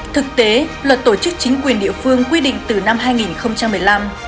thực tế luật tổ chức chính quyền địa phương quy định từ năm hai nghìn một mươi năm